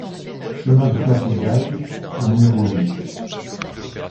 Chemin de Perdigailh au numéro huit